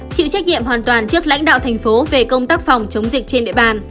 chịu trách nhiệm hoàn toàn trước lãnh đạo thành phố về công tác phòng chống dịch trên địa bàn